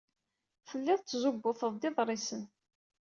Tellid tettzubuted-d iḍrisen.